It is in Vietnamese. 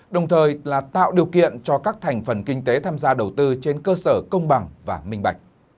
đồng thời là tạo điều kiện cho các thành phần kinh tế tham gia đầu tư trên cơ sở công bằng và minh bạch